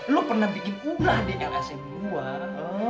lo pernah bikin ubah di lsm luar